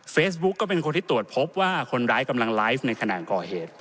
ก็เป็นคนที่ตรวจพบว่าคนร้ายกำลังไลฟ์ในขณะก่อเหตุ